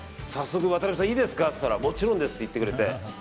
早速、渡辺さんいいですかって言ったらもちろんですって言ってくれて。